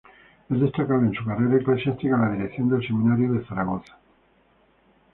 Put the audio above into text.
Es destacable en su carrera eclesiástica la dirección del Seminario de Zaragoza.